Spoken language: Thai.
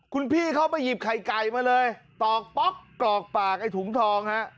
คุณพี่เขามาหยิบไข่ไก่มาเลยตอกป๊อกกรอกปากไอ้ถุงทองฮะ